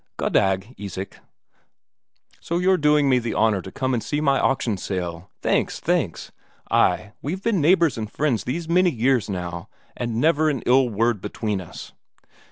"Goddag, Isak. So you're doing me the honour to come and see my auction sale. Thanks, thanks. Ay, we've been neighbours and friends these many years now, and never an ill word between us."